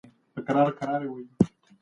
که موږ پوه سو نو څوک مو نه سي غولولای.